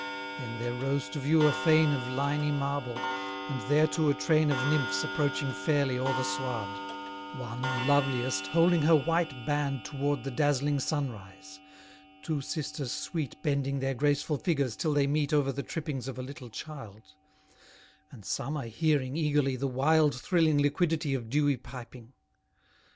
Then there rose to view a fane Of liny marble, and thereto a train Of nymphs approaching fairly o'er the sward: One, loveliest, holding her white band toward The dazzling sun rise: two sisters sweet Bending their graceful figures till they meet Over the trippings of a little child: And some are hearing, eagerly, the wild Thrilling liquidity of dewy piping.